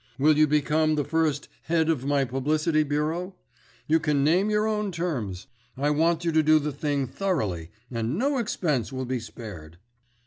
Will you become the first Head of my Publicity Bureau? You can name your own terms. I want you to do the thing thoroughly, and no expense will be spared."